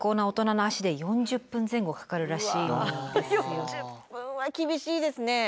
うわ４０分は厳しいですね。